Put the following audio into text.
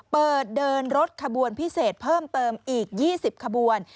เปิดเดินรถขบวนพิเศษเพิ่มเติมอีก๒๐ขบวน